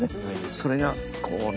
それがこうね